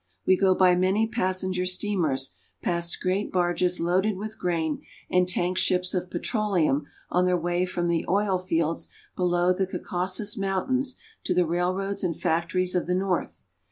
We go by many passenger steamers, past great barges loaded with grain, and tank ships of petroleum on their way from the oil fields below the Caucasus Mountains to the railroads and factories of the north.